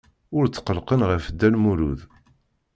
Ur tqellqen ɣef Dda Lmulud.